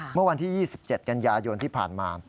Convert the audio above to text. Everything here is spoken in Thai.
เมื่อวันที่๒๗กันยายนที่ผ่านมา